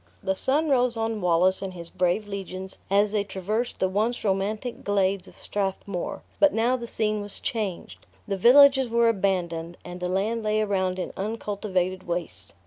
The sun rose on Wallace and his brave legions as they traversed the once romantic glades of Strathmore; but now the scene was changed. The villages were abandoned, and the land lay around in uncultivated wastes.